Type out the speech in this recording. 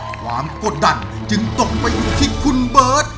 กดดันจึงตกไปอยู่ที่คุณเบิร์ต